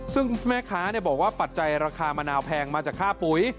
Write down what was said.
ซึ่งแม่ค้าบอกว่าปัจจัยราคามะนาวแพงมาจากค่าปุ๋ย